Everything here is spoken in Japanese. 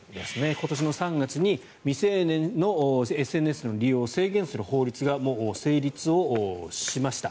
今年の３月に未成年のＳＮＳの利用を制限する法律がもう成立をしました。